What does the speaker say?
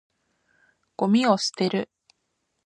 ゴミを捨てる。